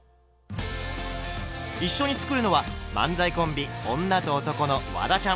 一緒に作るのは漫才コンビ「女と男」のワダちゃん。